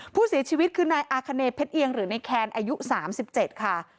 ผู้เสียชีวิตคือนายอาคเนเพชรเอียงหรือในแคนอายุ๓๗ค่ะ